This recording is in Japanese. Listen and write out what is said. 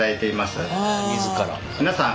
皆さん